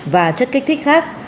và chất kích thích khác